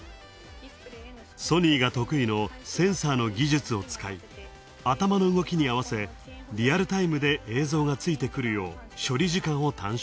ソニーが得意のセンサーの技術を使い頭の動きに合わせリアルタイムで映像がついてくるよう、処理時間を短縮。